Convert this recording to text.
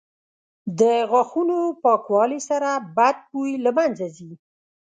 • د غاښونو پاکوالي سره بد بوی له منځه ځي.